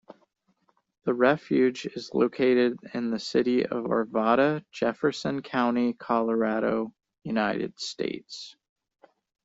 The refuge is located in the City of Arvada, Jefferson County, Colorado, United States.